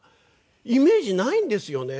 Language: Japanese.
イメージないんですよね。